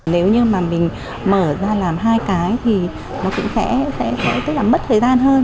nếu như mà mình mở ra làm hai cái thì nó cũng sẽ mất thời gian hơn